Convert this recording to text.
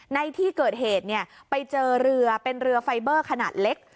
ในที่เกิดเหตุไปเจอเรือเป็นเรือไฟเบอร์ขนาดเล็ก